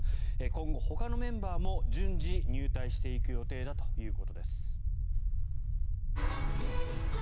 今後、ほかのメンバーも順次、入隊していく予定だということです。